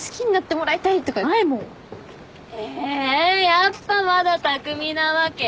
やっぱまだ匠なわけ？